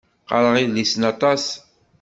Qqareɣ idlisen aṭas.